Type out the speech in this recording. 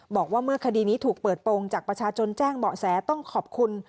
บอกว่าเมื่อคดีนี้ถูกเปิดโปรงจากประชาชนแจ้งเบาะแสต้องขอบคุณ